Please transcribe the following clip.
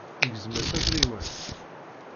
Igzem-as afriwen.